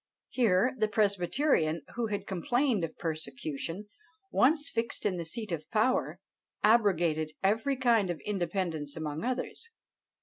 Here, the presbyterian, who had complained of persecution, once fixed in the seat of power, abrogated every kind of independence among others.